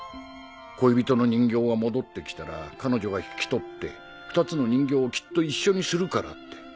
恋人の人形が戻って来たら彼女が引き取って２つの人形をきっと一緒にするからって。